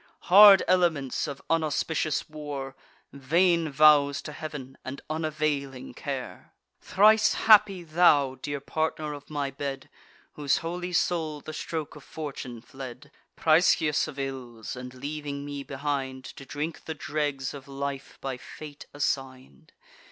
Hard elements of unauspicious war, Vain vows to Heav'n, and unavailing care! Thrice happy thou, dear partner of my bed, Whose holy soul the stroke of Fortune fled, Prescious of ills, and leaving me behind, To drink the dregs of life by fate assign'd!